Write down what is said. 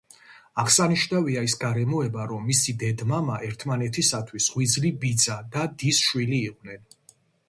აღსანიშნავია ის გარემოება, რომ მისი დედ-მამა, ერთმანეთისათვის ღვიძლი ბიძა და დის შვილი იყვნენ.